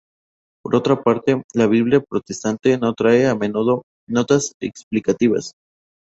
Por otra parte, la Biblia protestante no trae, a menudo, notas explicativas.